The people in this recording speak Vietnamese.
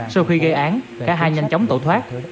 sau khi gây án cả hai nhanh chóng tẩu thoát